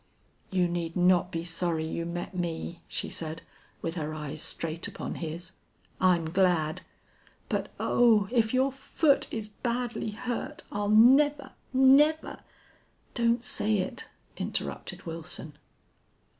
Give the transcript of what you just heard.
"You need not be sorry you met me," she said, with her eyes straight upon his. "I'm glad.... But oh! if your foot is badly hurt I'll never never ' "Don't say it," interrupted Wilson.